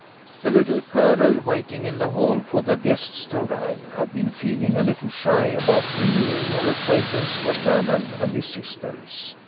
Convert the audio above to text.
The Little Colonel, waiting in the hall for the guests to arrive, had been feeling a little shy about renewing her acquaintance with Ranald and his sisters.